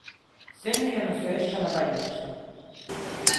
Сёння ён усё яшчэ на бальнічным.